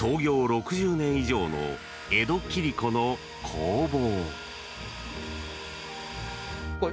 ６０年以上の江戸切子の工房。